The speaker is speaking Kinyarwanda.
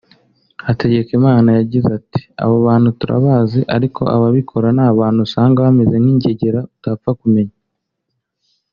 Hategekimana yagize ati “Abo bantu turabazi ariko ababikora ni abantu usanga bameze nk’ingegera utapfa kumenya